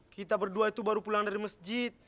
kita berdua itu baru pulang dari masjid